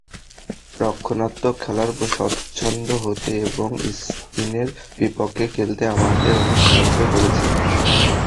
রক্ষণাত্মক খেলায় স্বচ্ছন্দ হতে এবং স্পিনের বিপক্ষে খেলতে আমাদের অনেক সাহায্য করেছেন।